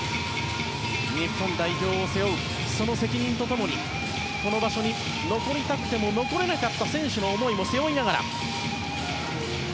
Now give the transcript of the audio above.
日本代表を背負うその責任と共にこの場所に残りたくても残れなかった選手の思いも背負いながら。